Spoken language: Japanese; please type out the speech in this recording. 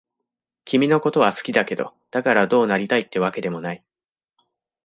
君のことは好きだけど、だからどうなりたいってわけでもない。